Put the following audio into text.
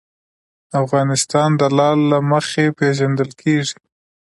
افغانستان د لعل له مخې پېژندل کېږي.